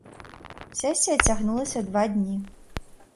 Сесія цягнулася два дні.